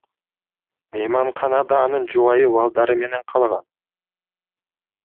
Мейманканада анын жубайы балдары менен калган.